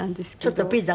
ちょっとピザ？